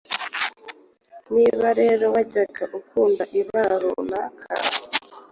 Niba rero wajyaga ukunda ibara runaka